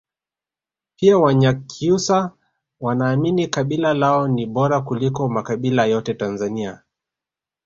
pia wanyakyusa Wanaamini kabila lao ni bora kuliko makabila yote Tanzania